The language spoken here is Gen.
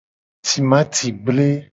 Timati gble.